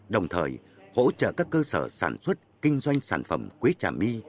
đồng thời hỗ trợ các cơ sở sản xuất kinh doanh sản phẩm quế trà my